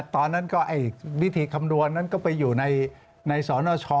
ตอนนั้นก็วิธีคำดวนนั้นก็ออกไปอยู่ในสอนอาชอ